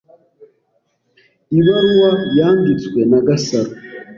Ibaruwa yanditswe na Gasaro.